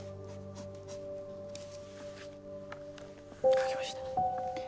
書けました。